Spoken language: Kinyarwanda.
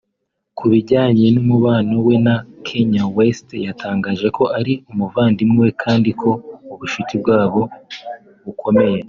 Ku bijyanye n’umubano we na Kanye West yatangaje ko ari umuvandimwe we kandi ko ubushuti bwabo bukomeye